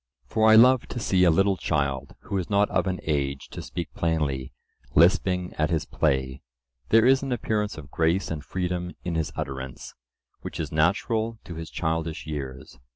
For I love to see a little child, who is not of an age to speak plainly, lisping at his play; there is an appearance of grace and freedom in his utterance, which is natural to his childish years.